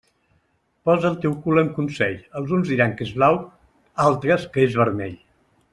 Posa el teu cul en consell, els uns diran que és blau, altres que és vermell.